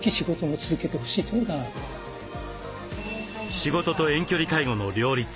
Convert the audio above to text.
仕事と遠距離介護の両立。